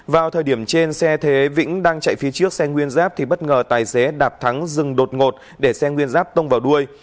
vào thời điểm trên xe thế vĩnh đang chạy phía trước xe nguyên giáp thì bất ngờ tài xế đạp thắng dừng đột ngột để xe nguyên giáp tông vào đuôi